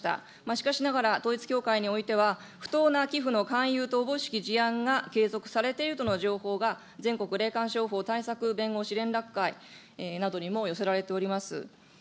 しかしながら、統一教会においては、不当な寄付の勧誘とおぼしき事案が継続されているとの情報が、全国霊感商法対策弁護士連絡会などにも寄せられております。